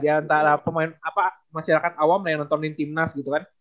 ya antara pemain apa masyarakat awam yang nontonin timnas gitu kan